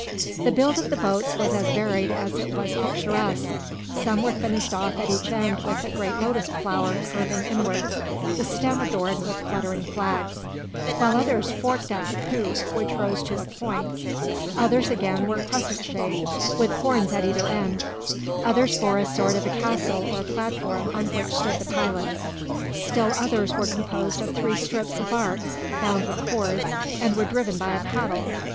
The build of the boats was as varied as it was picturesque. Some were finished off at each end with a great lotus flower curving inwards, the stem adorned with fluttering flags; others were forked at the poop which rose to a point; others again were crescent shaped, with horns at either end; others bore a sort of a castle or platform on which stood the pilots; still others were composed of three strips of bark bound with cords, and were driven by a paddle.